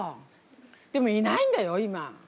でもいないんだよ今。